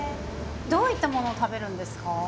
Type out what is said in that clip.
どういったものを食べるんですか？